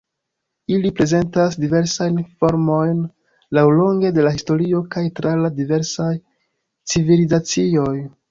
Ili prezentas diversajn formojn laŭlonge de la historio kaj tra la diversaj civilizacioj.